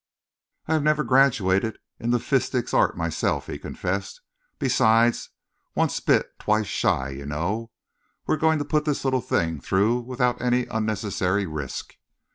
"I have never graduated in the fistic arts myself," he confessed. "Besides, once bit, twice shy, you know. We are going to put this little thing through without any unnecessary risk."